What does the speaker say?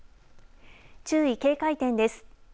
注意、警戒点です。